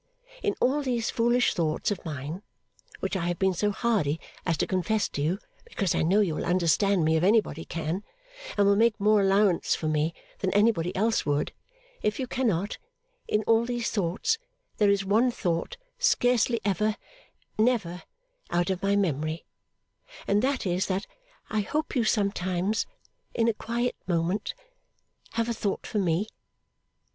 In all these foolish thoughts of mine, which I have been so hardy as to confess to you because I know you will understand me if anybody can, and will make more allowance for me than anybody else would if you cannot in all these thoughts, there is one thought scarcely ever never out of my memory, and that is that I hope you sometimes, in a quiet moment, have a thought for me.